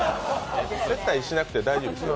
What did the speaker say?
接待しなくて大丈夫ですよ。